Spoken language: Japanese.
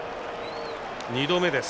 ２度目です。